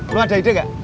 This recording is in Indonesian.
lo ada ide gak